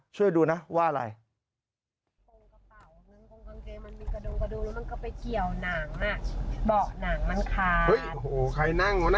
ช่วยดูนะว่าอะไร